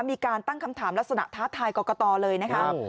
มีการตั้งคำถามลักษณะท้าทายกรกตเลยนะครับ